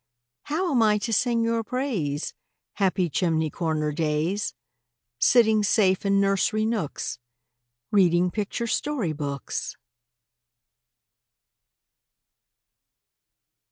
How am I to sing your praise, Happy chimney corner days, Sitting safe in nursery nooks, Reading picture story books?